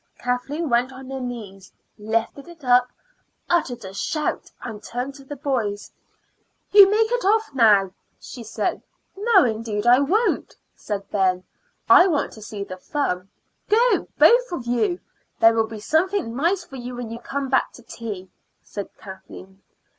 Kathleen went on her knees, lifted it up, uttered a shout, and turned to the boys. "You make off now," she said. "No, indeed I won't," said Ben. "I want to see the fun." "Go, both of you. There will be something nice for you when you come back to tea," said Kathleen.